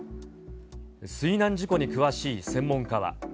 水難事故に詳しい専門家は。